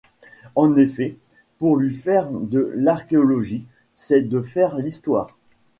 En effet, pour lui faire de l'archéologie, c'est de faire l'histoire.